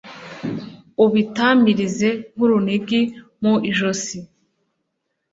ubitamirize nk’urunigi mu ijosi